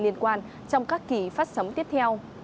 liên quan trong các kỳ phát sóng tiếp theo